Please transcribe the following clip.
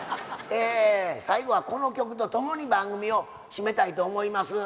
え最後はこの曲とともに番組を締めたいと思います。